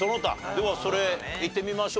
ではそれいってみましょうか。